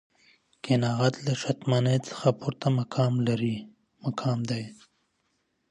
قناعت له شتمنۍ څخه پورته مقام دی.